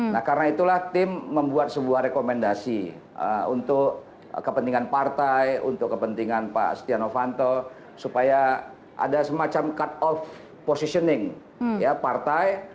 nah karena itulah tim membuat sebuah rekomendasi untuk kepentingan partai untuk kepentingan pak setia novanto supaya ada semacam cut of positioning ya partai